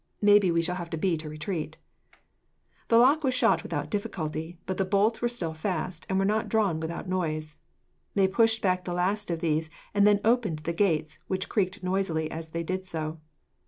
Maybe we shall have to beat a retreat." The lock was shot without difficulty, but the bolts were still fast, and were not drawn without noise. They pushed back the last of these, and then opened the gates, which creaked noisily as they did so.